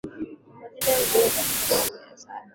kwa jina la Mndimbo katika karne ya saba